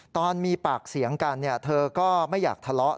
ตอนมีปากเสียงกันเธอก็ไม่อยากทะเลาะ